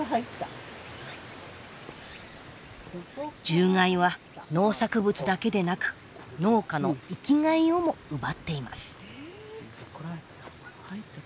獣害は農作物だけでなく農家の生きがいをも奪っています。